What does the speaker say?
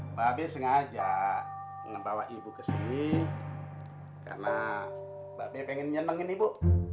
mba be sengaja membawa ibu ke sini karena mba be pengen nyampein ibu